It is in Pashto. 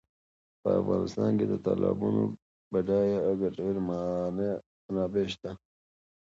په افغانستان کې د تالابونو بډایه او ګټورې منابع شته.